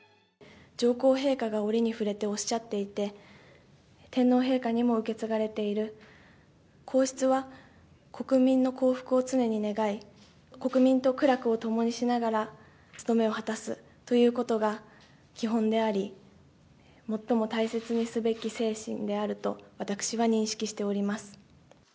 上皇陛下が折に触れておっしゃっていて、天皇陛下にも受け継がれている皇室は国民の幸福を常に願い、国民と苦楽を共にしながら務めを果たすということが基本であり、最も大切にすべき精神であると私は認識しております。